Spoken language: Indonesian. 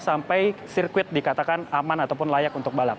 sampai sirkuit dikatakan aman ataupun layak untuk balap